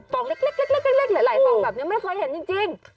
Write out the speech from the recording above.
ฟองเล็กหรือไหล่ฟองแบบนี้ไม่ได้ค่อยเห็นจริง